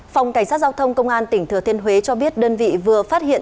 phòng cảnh sát giao thông công an tỉnh thừa thiên huế cho biết đơn vị vừa phát hiện